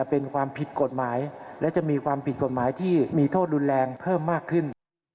เป็นความผิดกฎหมายและจะมีความผิดกฎหมายที่มีโทษรุนแรงเพิ่มมากขึ้น